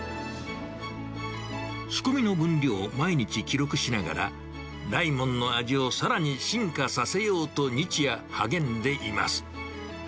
仕込みの分量を毎日記録しながら、雷文の味をさらに進化させようと、日夜、励んでいます。